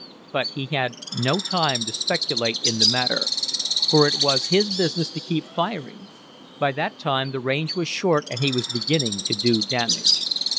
But he had no time to speculate in the matter, for it was his business to keep firing. By that time the range was short and he was beginning to do damage.